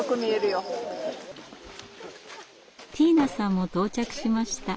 ティーナさんも到着しました。